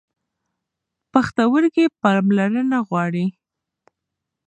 پښتورګي پاملرنه غواړي.